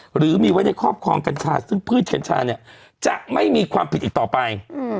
หรือคอบคลองกัญชาซึ่งพฤตเช็นชามันจะไม่มีความผิดอีกต่อไป